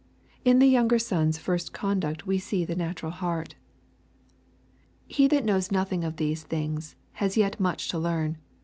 In the younger son's first conduct we see the natural heart. He that knows nothing of these things has yet much to learn.